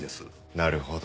なるほど。